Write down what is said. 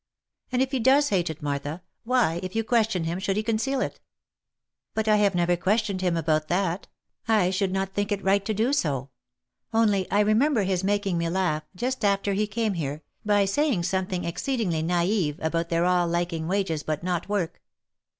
" And if he does hate it, Martha, why, if you question him should he conceal it?" " But I never have questioned him about that ; I should not think it right to do so. Only I remember his making me laugh, just after he came here, by saying something exceedingly naive about their all liking wages but not work.